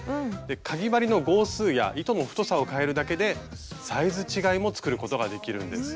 かぎ針の号数や糸の太さを変えるだけでサイズ違いも作ることができるんです。